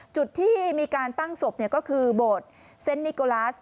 จุดที่มีการตั้งศพก็คือโบสถ์เซ็นนิโกลาส